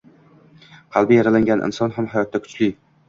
Qalbi yaralangan inson ham hayotda kuchli